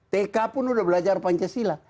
tk pun udah belajar pancasila